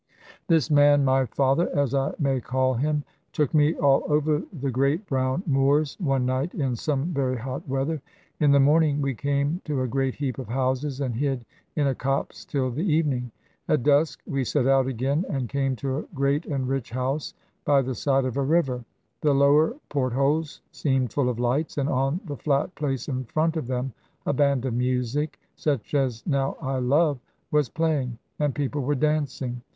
"This man, my father as I may call him, took me all over the great brown moors one night in some very hot weather. In the morning we came to a great heap of houses, and hid in a copse till the evening. At dusk we set out again, and came to a great and rich house by the side of a river. The lower port holes seemed full of lights, and on the flat place in front of them a band of music such as now I love was playing, and people were dancing.